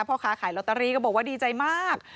พ่อค้าขายลอตเตอรี่ก็บอกว่าดีใจมาก